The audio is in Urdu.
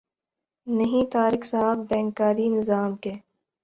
نہیں طارق صاحب بینک کاری نظام کے